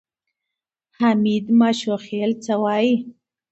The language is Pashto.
حمید ماشوخېل څه وایي؟